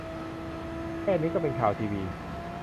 แค่นี้ก็เป็นข่าวทีวี !